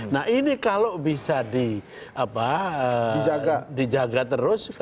nah ini kalau bisa dijaga terus